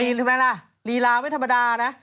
อ๋อโอ้ยเห็นหรือไม่แล้วรีลาไม่ธรรมดานะ